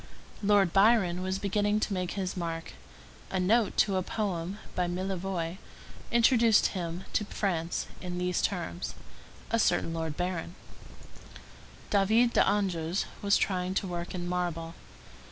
Lord Byron was beginning to make his mark; a note to a poem by Millevoye introduced him to France in these terms: a certain Lord Baron. David d'Angers was trying to work in marble.